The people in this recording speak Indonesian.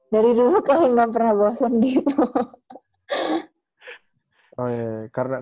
dari dulu ke akhir gak pernah bosen gitu